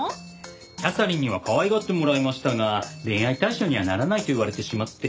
キャサリンにはかわいがってもらいましたが恋愛対象にはならないと言われてしまって。